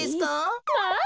まあ！